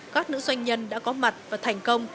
các nữ doanh nhân đã có mặt và thành công